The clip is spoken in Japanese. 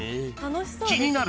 ［気になる］